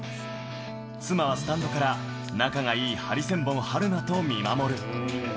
妻はスタンドから、仲がいいハリセンボン・春菜と見守る。